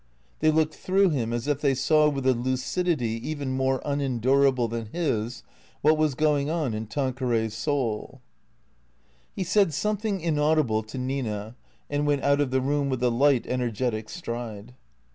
They looked through him, as if they saw with a lucidity even more unendurable than his, what was going on in Tanqueray's soul. He said something inaudible to Nina and went out of the room with a light, energetic stride.